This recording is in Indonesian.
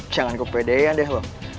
jangan kepedean deh loh